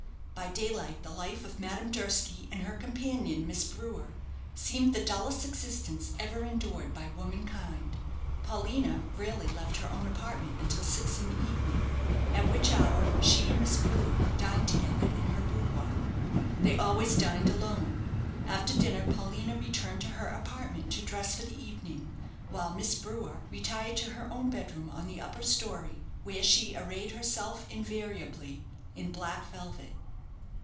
By daylight the life of Madame Durski and her companion, Miss Brewer, seemed the dullest existence ever endured by womankind. Paulina rarely left her own apartment until six in the evening; at which hour, she and Miss Brewer dined together in her boudoir. They always dined alone. After dinner Paulina returned to her apartment to dress for the evening, while Miss Brewer retired to her own bedroom on the upper story, where she arrayed herself invariably in black velvet.